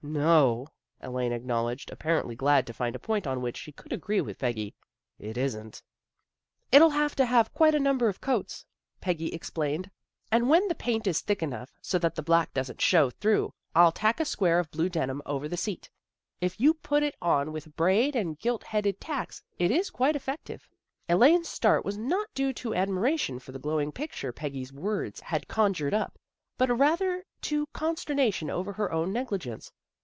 "No!" Elaine acknowledged, apparently glad to find a point on which she could agree with Peggy. " It isn't." " It'll have to have quite a number of coats," Peggy explained. " And when the paint is thick enough, so that the black doesn't show A BUSY AFTERNOON 55 through, I'll tack a square of blue denim over the seat. If you put it on with braid and gilt headed tacks, it is quite effective." Elaine's start was not due to admiration for the glowing picture Peggy's words had con jured up, but rather to consternation over her own negligence.